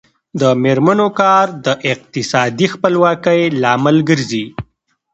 د میرمنو کار د اقتصادي خپلواکۍ لامل ګرځي.